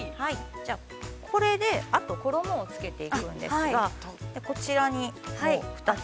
◆これで、あと衣をつけていくんですが、こちらに、２つ。